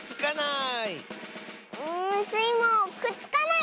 んスイもくっつかない！